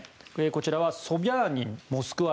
こちらはソビャーニンモスクワ